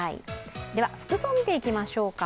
では服装見ていきましょうか。